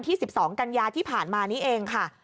๑๒กันยาที่ผ่านมานี้เองค่ะ